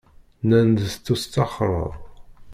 - Nnan-d tettusṭaxreḍ.